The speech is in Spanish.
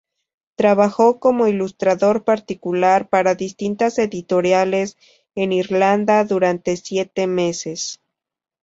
Trabajó como ilustrador particular para distintas editoriales en Irlanda durante siete meses.